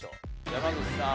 山口さん